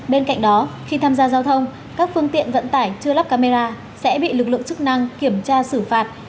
bên cạnh đó khi tham gia giao thông các phương tiện vận tải chưa lắp camera sẽ bị lực lượng chức năng kiểm tra xử phạt